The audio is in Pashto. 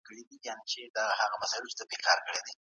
هيوادونو کي د محلي خلکو لخوا زنداني سوي، وژل